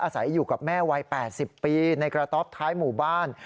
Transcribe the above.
อาศัยอยู่กับแม่วัย๘๐ปีในกระต๊อปท้ายหมู่บ้าน